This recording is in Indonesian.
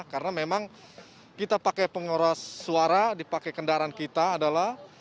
karena memang kita pakai pengurus suara dipakai kendaraan kita adalah